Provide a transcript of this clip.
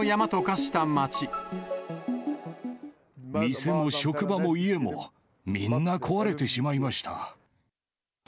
店も職場も家も、みんな壊れてしまいました。